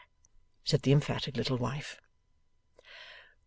said the emphatic little wife.